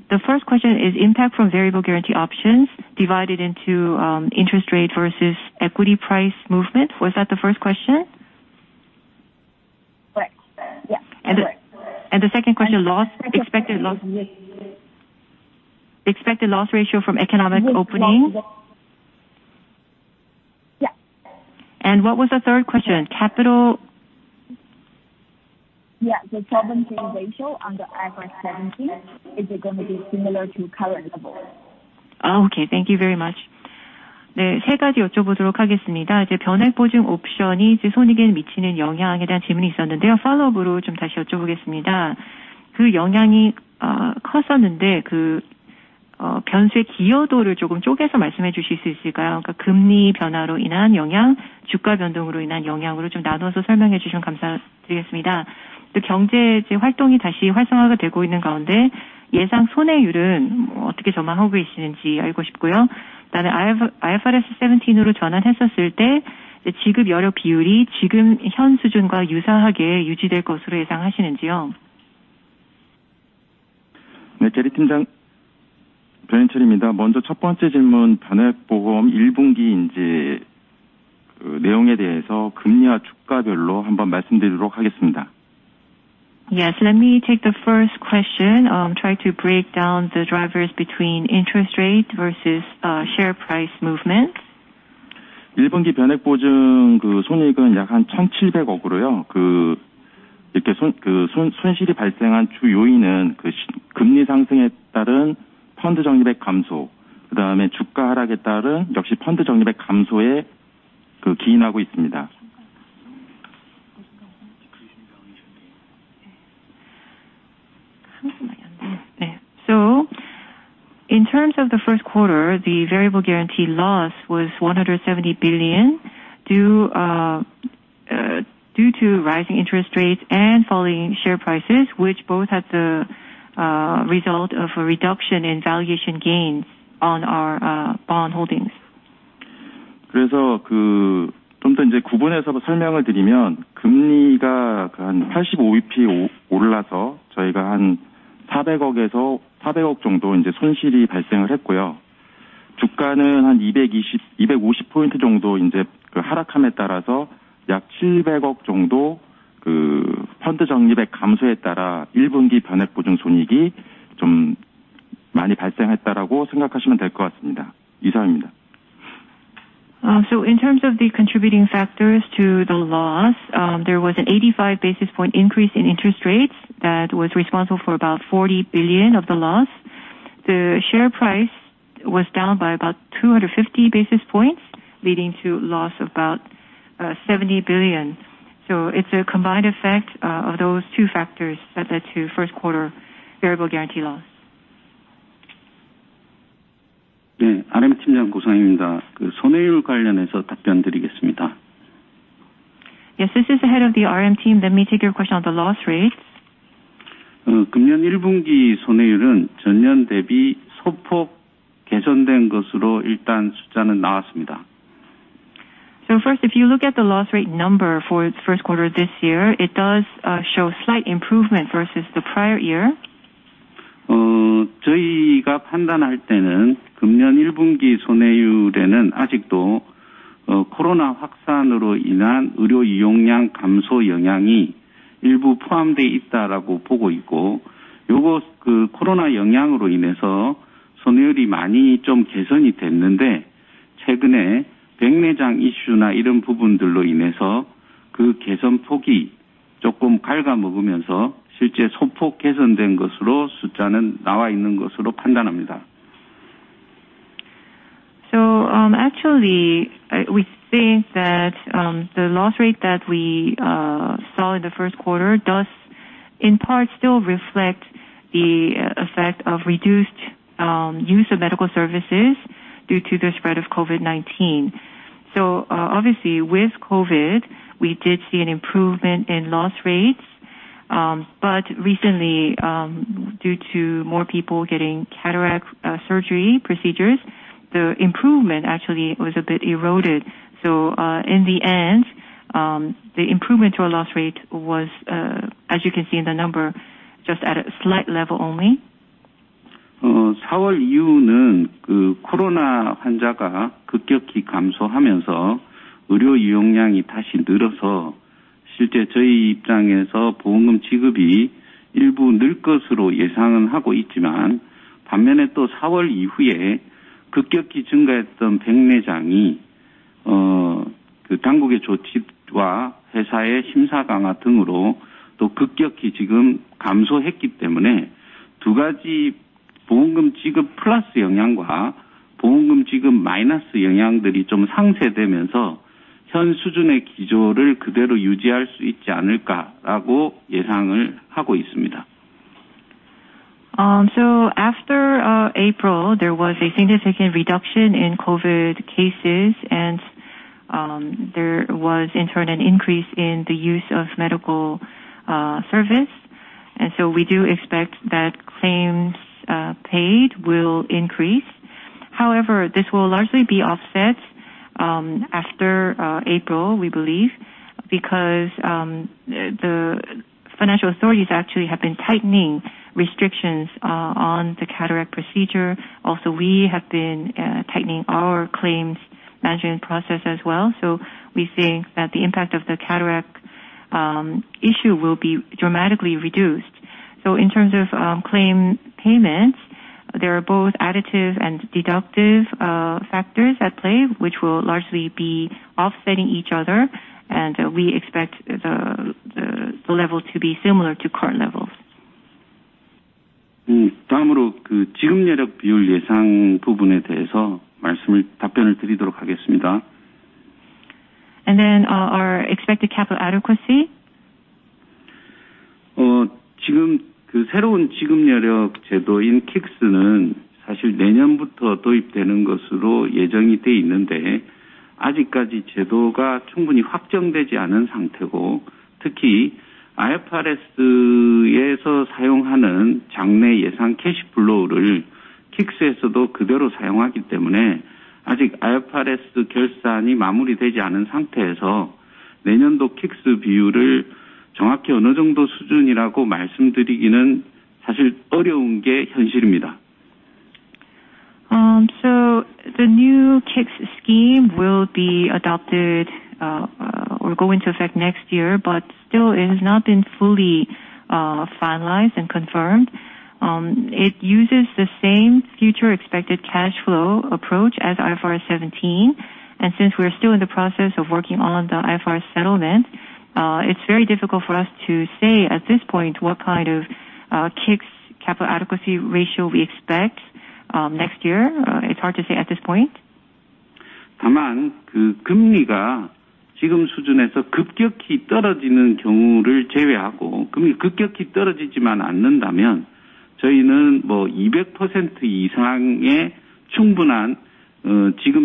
The first question is impact from variable guarantee options divided into interest rate versus equity price movement. Was that the first question? Correct. Yes. Correct. The second question, loss, expected loss. Yes. Expected loss ratio from economic opening. Yes. What was the third question? Capital? Yeah. The solvency ratio on the IFRS 17, is it gonna be similar to current level? Oh, okay. Thank you very much. Yes. Let me take the first question, try to break down the drivers between interest rate versus share price movement. 1분기 변액보증 손익은 약 1,700억으로, 이렇게 손실이 발생한 주요인은 시금리 상승에 따른 펀드 적립의 감소, 그다음에 주가 하락에 따른 역시 펀드 적립의 감소에 기인하고 있습니다. In terms of the first quarter, the variable guarantee loss was 170 billion due to rising interest rates and falling share prices, which both had the result of a reduction in valuation gains on our bond holdings. 금리가 한 85bp 올라서 저희가 한 400억 정도 손실이 발생을 했고요. 주가는 한 220, 250포인트 정도 하락함에 따라서 약 700억 정도 펀드 적립의 감소에 따라 1분기 변액보증 손익이 좀 많이 발생했다라고 생각하시면 될것 같습니다. 이상입니다. In terms of the contributing factors to the loss, there was an 85 basis points increase in interest rates that was responsible for about 40 billion of the loss. The share price was down by about 250 basis points, leading to loss of about 70 billion. It's a combined effect of those two factors that led to first quarter variable guarantee loss. 네, RM팀장 고상희입니다. 그 손해율 관련해서 답변드리겠습니다. Yes, this is the head of the RM team. Let me take your question on the loss rates. 금년 1분기 손해율은 전년 대비 소폭 개선된 것으로 일단 숫자는 나왔습니다. First, if you look at the loss rate number for first quarter this year, it does show slight improvement versus the prior year. 저희가 판단할 때는 금년 1분기 손해율에는 아직도 코로나 확산으로 인한 의료 이용량 감소 영향이 일부 포함돼 있다라고 보고 있고, 요거 그 코로나 영향으로 인해서 손해율이 많이 좀 개선이 됐는데 최근에 백내장 이슈나 이런 부분들로 인해서 그 개선 폭이 조금 갉아먹으면서 실제 소폭 개선된 것으로 숫자는 나와 있는 것으로 판단합니다. Actually, we think that the loss rate that we saw in the first quarter does in part still reflect the effect of reduced use of medical services due to the spread of COVID-19. Obviously with COVID, we did see an improvement in loss rates. But recently, due to more people getting cataract surgery procedures, the improvement actually was a bit eroded. In the end, the improvement to our loss rate was, as you can see in the number, just at a slight level only. 사월 이후는 코로나 환자가 급격히 감소하면서 의료 이용량이 다시 늘어서 실제 저희 입장에서 보험금 지급이 일부 늘 것으로 예상은 하고 있지만, 반면에 사월 이후에 급격히 증가했던 백내장이 당국의 조치와 회사의 심사 강화 등으로 급격히 지금 감소했기 때문에 두 가지 보험금 지급 플러스 영향과 보험금 지급 마이너스 영향들이 좀 상쇄되면서 현 수준의 기조를 그대로 유지할 수 있지 않을까라고 예상을 하고 있습니다. After April, there was a significant reduction in COVID cases, and there was in turn an increase in the use of medical service. We do expect that claims paid will increase. However, this will largely be offset after April, we believe because the financial authorities actually have been tightening restrictions on the cataract procedure. Also, we have been tightening our claims management process as well. We think that the impact of the cataract issue will be dramatically reduced. In terms of claim payments, there are both additive and deductive factors at play, which will largely be offsetting each other, and we expect the level to be similar to current levels. 다음으로 지급여력 비율 예상 부분에 대해서 답변을 드리도록 하겠습니다. Our expected capital adequacy. 지금 그 새로운 지급여력 제도인 K-ICS는 사실 내년부터 도입되는 것으로 예정이 돼 있는데 아직까지 제도가 충분히 확정되지 않은 상태고, 특히 IFRS에서 사용하는 장래 예상 캐시플로우를 K-ICS에서도 그대로 사용하기 때문에 아직 IFRS 결산이 마무리되지 않은 상태에서 내년도 K-ICS 비율을 정확히 어느 정도 수준이라고 말씀드리기는 사실 어려운 게 현실입니다. The new K-ICS scheme will be adopted, or go into effect next year, but still it has not been fully finalized and confirmed. It uses the same future expected cash flow approach as IFRS 17, and since we are still in the process of working on the IFRS 17 implementation, it's very difficult for us to say at this point what kind of K-ICS capital adequacy ratio we expect next year. It's hard to say at this point. However, our expectation is that barring a scenario where there is a dramatic fall in interest rates, otherwise we will be able to maintain a solid capital adequacy level at above 200%. Yafei, do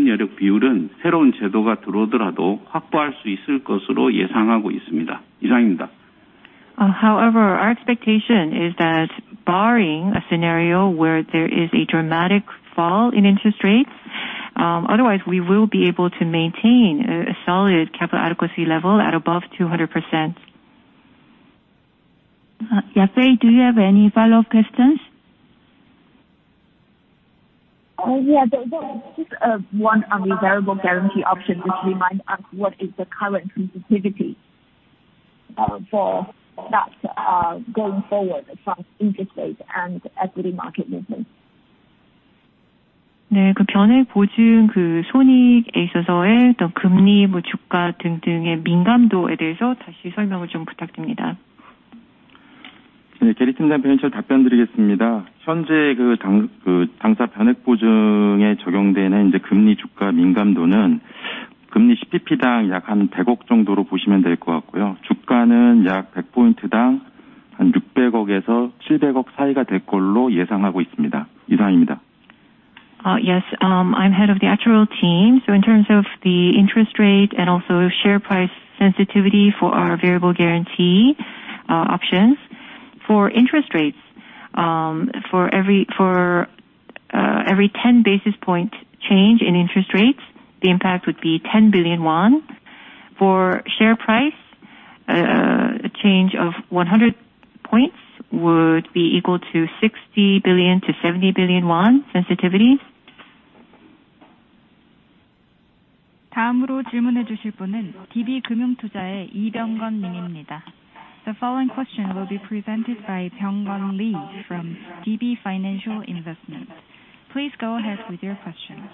you have any follow-up questions? Yeah. Just one on the variable guarantee option, just remind us what is the current sensitivity for that going forward from interest rates and equity market movements? Yes. I'm head of the actual team. In terms of the interest rate and also share price sensitivity for our variable guarantee options. For interest rates, for every ten basis point change in interest rates, the impact would be 10 billion won. For share price, a change of 100 points would be equal to 60 billion-70 billion won sensitivities. The following question will be presented by Byung-gun Lee from DB Financial Investment. Please go ahead with your question.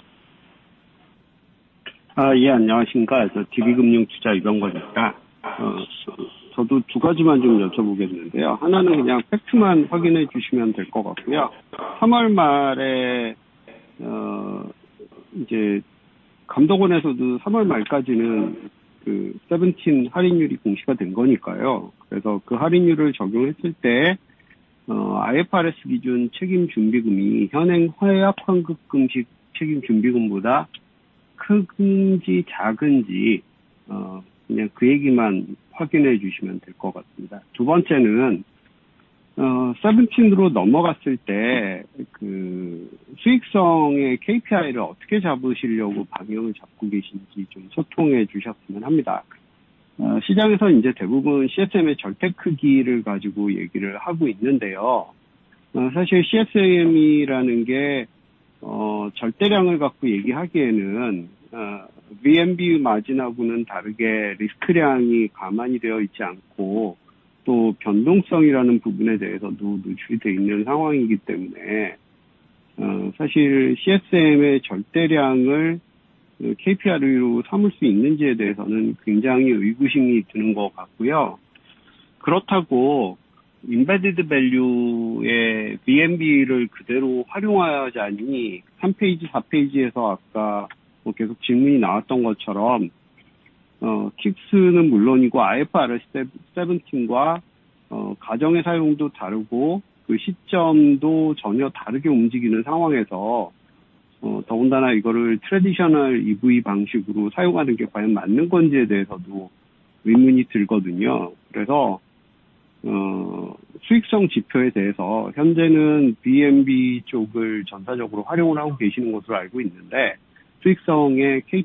Yes. This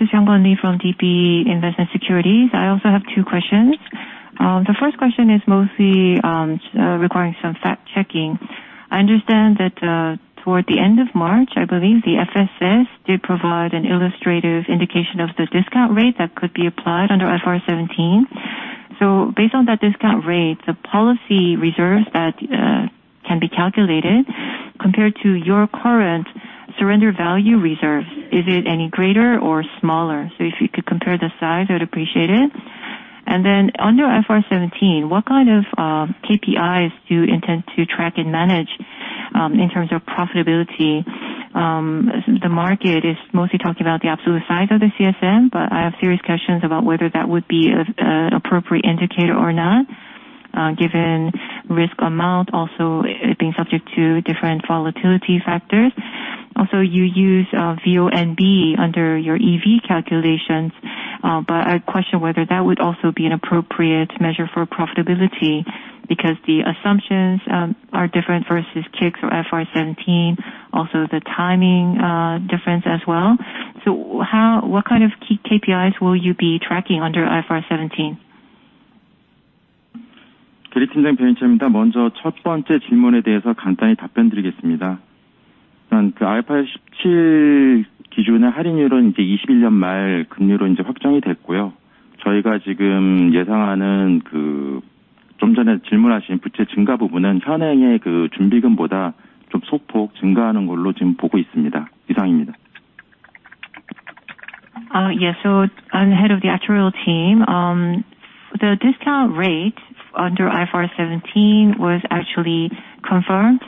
is Byung-Won Lee from DB Financial Investment. I also have two questions. The first question is mostly requiring some fact checking. I understand that toward the end of March, I believe the FSS did provide an illustrative indication of the discount rate that could be applied under IFRS 17. Based on that discount rate, the policy reserves that can be calculated compared to your current surrender value reserve, is it any greater or smaller? If you could compare the size, I would appreciate it. Under IFRS 17, what kind of KPIs do you intend to track and manage in terms of profitability? The market is mostly talking about the absolute size of the CSM, but I have serious questions about whether that would be an appropriate indicator or not, given risk amount also being subject to different volatility factors. Also, you use VONB under your EV calculations, but I question whether that would also be an appropriate measure for profitability because the assumptions are different versus K-ICS or IFRS 17, also the timing difference as well. What kind of key KPIs will you be tracking under IFRS 17? Yeah. I'm head of the actuarial team. The discount rate under IFRS 17 was actually confirmed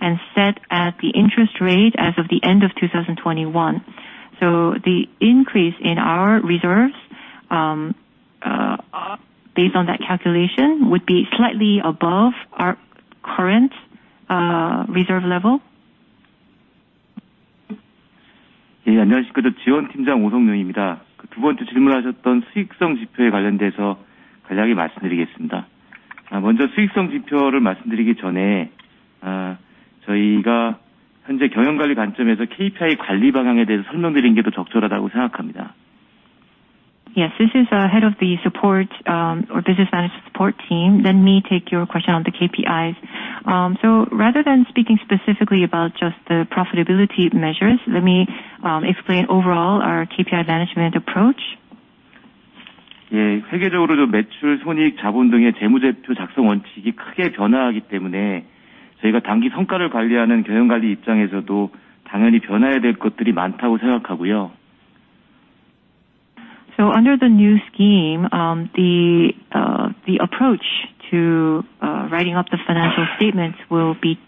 and set at the interest rate as of the end of 2021. The increase in our reserves, based on that calculation, would be slightly above our current reserve level. Yes, this is the head of the support or business management support team. Let me take your question on the KPIs. Rather than speaking specifically about just the profitability measures, let me explain overall our KPI management approach. Under the new scheme, the approach to writing up the financial statements will be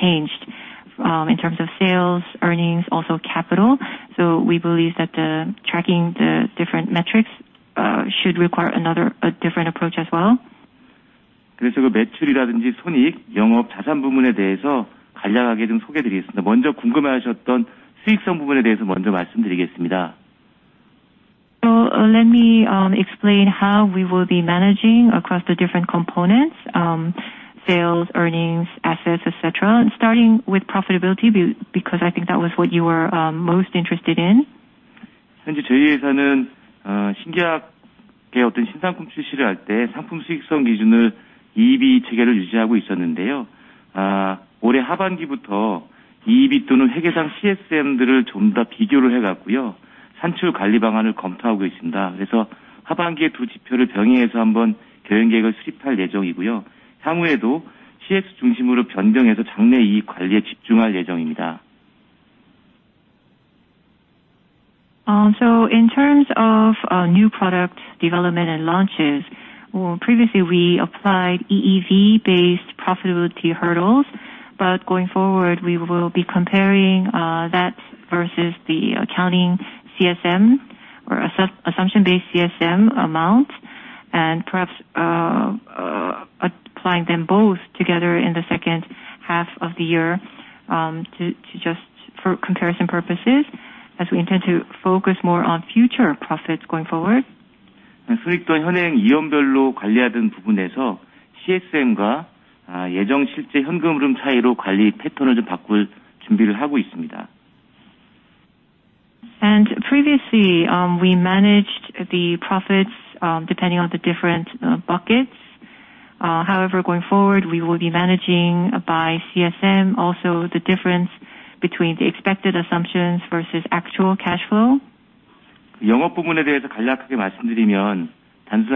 changed in terms of sales, earnings, also capital. We believe that tracking the different metrics should require another different approach as well. Let me explain how we will be managing across the different components, sales, earnings, assets, et cetera. Starting with profitability, because I think that was what you were most interested in. In terms of new product development and launches, well, previously we applied EEV-based profitability hurdles. Going forward, we will be comparing that versus the accounting CSM or assumption based CSM amount and perhaps applying them both together in the second half of the year, to just for comparison purposes, as we intend to focus more on future profits going forward. Previously, we managed the profits depending on the different buckets. Going forward, we will be managing by CSM also the difference between the expected assumptions versus actual cash flow. In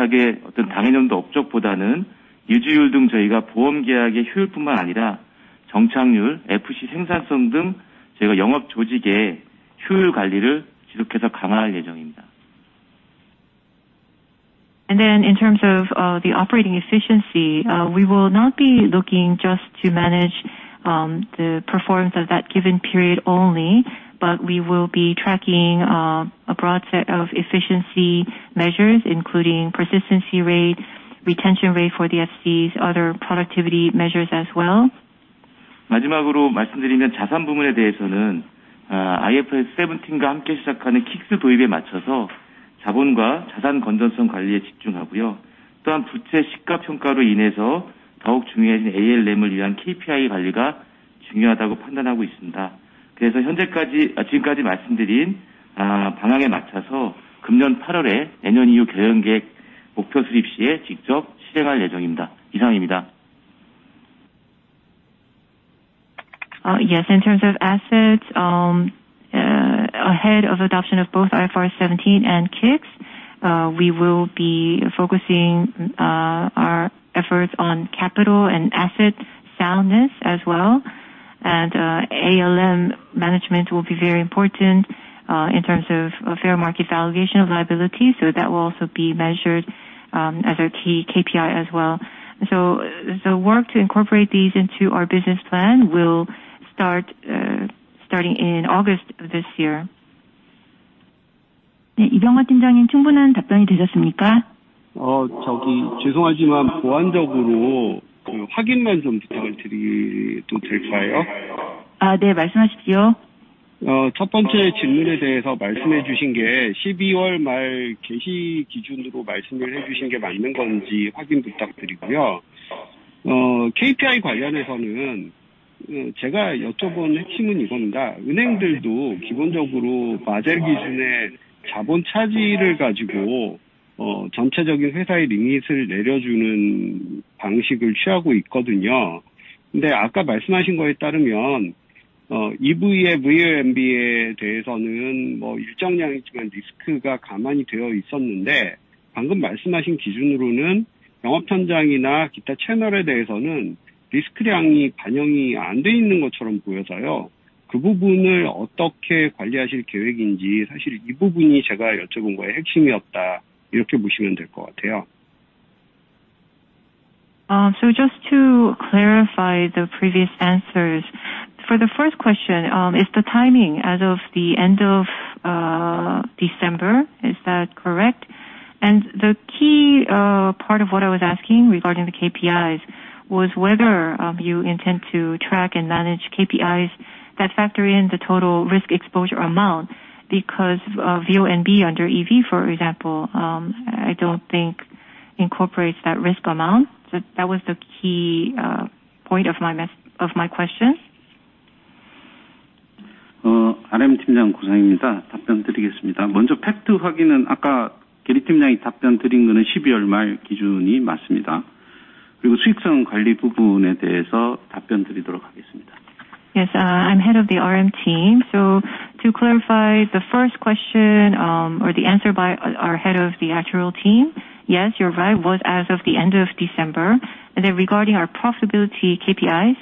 terms of the operating efficiency, we will not be looking just to manage the performance of that given period only, but we will be tracking a broad set of efficiency measures, including persistency rate, retention rate for the FCs, other productivity measures as well. Yes. In terms of assets, ahead of adoption of both IFRS 17 and K-ICS, we will be focusing our efforts on capital and asset soundness as well. ALM management will be very important in terms of fair market valuation of liabilities. That will also be measured as our key KPI as well. The work to incorporate these into our business plan will start in August this year. 제가 여쭤본 핵심은 이겁니다. 은행들도 기본적으로 바젤 기준에 자본 차지를 가지고 전체적인 회사의 리밋을 내려주는 방식을 취하고 있거든요. 근데 아까 말씀하신 거에 따르면 EV의 VONB에 대해서는 뭐 일정량이지만 리스크가 감안이 되어 있었는데, 방금 말씀하신 기준으로는 영업 현장이나 기타 채널에 대해서는 리스크량이 반영이 안돼 있는 것처럼 보여서요. 그 부분을 어떻게 관리하실 계획인지 사실 이 부분이 제가 여쭤본 거의 핵심이었다, 이렇게 보시면 될것 같아요. Just to clarify the previous answers. For the first question, is the timing as of the end of December? Is that correct? The key part of what I was asking regarding the KPIs was whether you intend to track and manage KPIs that factor in the total risk exposure amount because of VONB under EV, for example, I don't think incorporates that risk amount. That was the key point of my question. RM팀장 고상입니다. 답변드리겠습니다. 먼저 팩트 확인은 아까 계리팀장이 답변드린 거는 12월 말 기준이 맞습니다. 그리고 수익성 관리 부분에 대해서 답변드리도록 하겠습니다. Yes. I'm head of the RM team. To clarify the first question, or the answer by our head of the actual team. Yes, you're right, was as of the end of December. Regarding our profitability KPIs.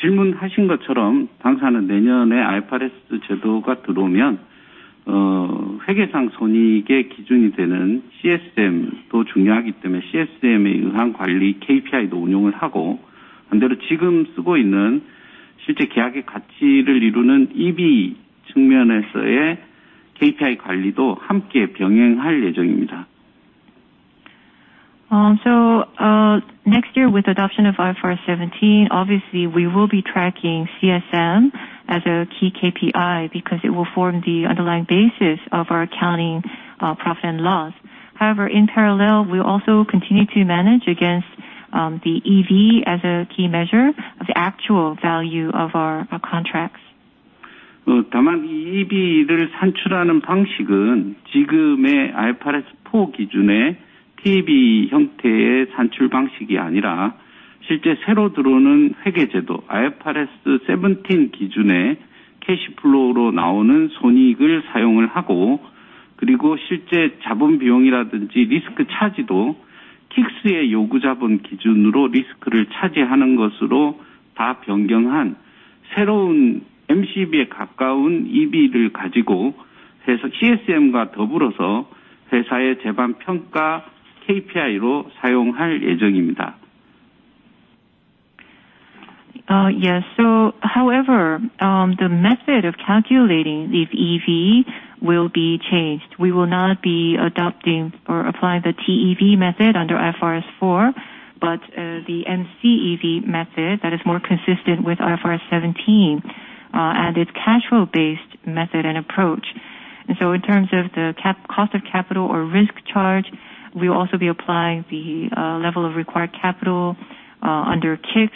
질문하신 것처럼 당사는 내년에 IFRS 제도가 들어오면 회계상 손익의 기준이 되는 CSM도 중요하기 때문에 CSM에 의한 관리 KPI도 운용을 하고, 반대로 지금 쓰고 있는 실제 계약의 가치를 이루는 EV 측면에서의 KPI 관리도 함께 병행할 예정입니다. Next year with adoption of IFRS 17, obviously we will be tracking CSM as a key KPI because it will form the underlying basis of our accounting profit and loss. However, in parallel, we will also continue to manage against the EV as a key measure of the actual value of our contracts. 다만 EV를 산출하는 방식은 지금의 IFRS 4 기준에 TEV 형태의 산출 방식이 아니라 실제 새로 들어오는 회계제도 IFRS 17 기준에 캐시플로우로 나오는 손익을 사용을 하고, 그리고 실제 자본 비용이라든지 리스크 차지도 K-ICS의 요구 자본 기준으로 리스크를 차지하는 것으로 다 변경한 새로운 MCEV에 가까운 EV를 가지고 해서 CSM과 더불어서 회사의 제반 평가 KPI로 사용할 예정입니다. Yes. However, the method of calculating this EV will be changed. We will not be adopting or applying the TEV method under IFRS 4, but the MCEV method that is more consistent with IFRS 17 and its cash flow-based method and approach. In terms of the cost of capital or risk charge, we will also be applying the level of required capital under K-ICS.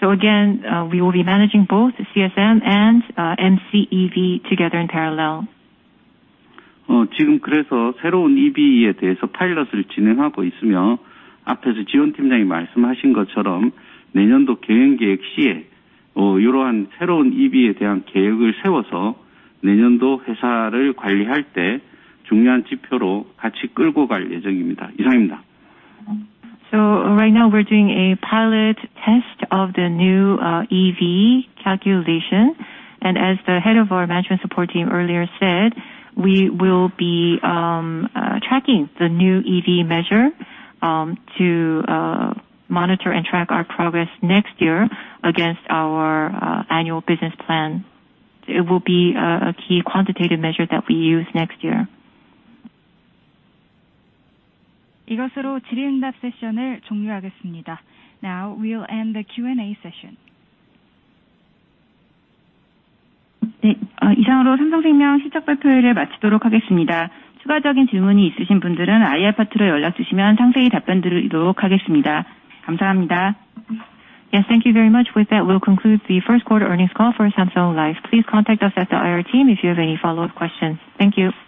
Again, we will be managing both CSM and MCEV together in parallel. 지금 그래서 새로운 EV에 대해서 파일럿을 진행하고 있으며, 앞에서 지원팀장이 말씀하신 것처럼 내년도 경영계획 시에 이러한 새로운 EV에 대한 계획을 세워서 내년도 회사를 관리할 때 중요한 지표로 같이 끌고 갈 예정입니다. 이상입니다. Right now we're doing a pilot test of the new EV calculation. As the head of our management support team earlier said, we will be tracking the new EV measure to monitor and track our progress next year against our annual business plan. It will be a key quantitative measure that we use next year. 이것으로 질의응답 세션을 종료하겠습니다. Now we will end the Q&A session. 네, 이상으로 삼성생명 실적 발표회를 마치도록 하겠습니다. 추가적인 질문이 있으신 분들은 IR 파트로 연락주시면 상세히 답변드리도록 하겠습니다. 감사합니다. Yes, thank you very much. With that, we'll conclude the first quarter earnings call for Samsung Life. Please contact us at the IR team if you have any follow-up questions. Thank you.